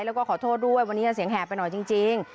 แล้วก็ขอโทษด้วยวันนี้เสียงแหบไปหน่อยจริง